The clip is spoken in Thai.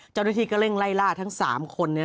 เจ้าหน้าที่ก็เร่งไล่ล่าทั้ง๓คน